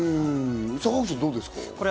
坂口さん、どうですか？